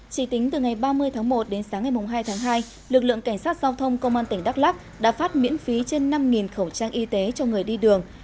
chỉ tính từ ngày ba mươi tháng một đến sáng ngày hai tháng hai lực lượng cảnh sát giao thông công an tỉnh đắk lắc đã phát miễn phí trên năm khẩu trang y tế cho người đi đường